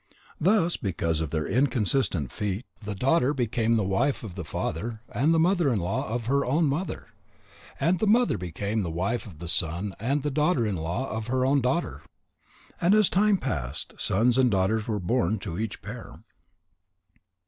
Thus, because of their inconsistent feet, the daughter became the wife of the father and the mother in law of her own mother. And the mother became the wife of the son and the daughter in law of her own daughter. And as time passed, sons and daughters were born to each pair.